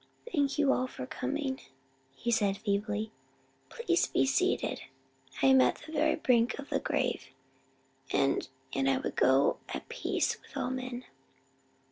"Thank you all for coming;" he said feebly. "Please be seated. I am at the very brink of the grave, and and I would go at peace with all men.